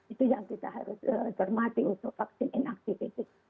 itu yang kita harus hormati untuk vaksin inactivated